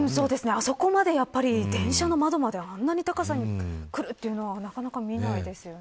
あそこまでやっぱり電車の窓まであんな高さにくるというのはなかなか見ないですね。